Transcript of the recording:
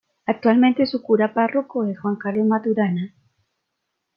Actualmente su Cura Párroco es Juan Carlos Maturana--